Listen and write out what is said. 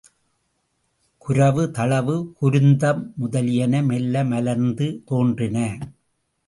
குரவு தளவு குருந்தம் முதலியன மெல்ல மலர்ந்து தோன்றின.